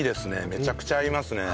めちゃくちゃ合いますね。